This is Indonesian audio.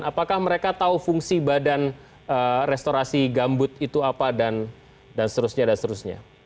apakah mereka tahu fungsi badan restorasi gambut itu apa dan seterusnya dan seterusnya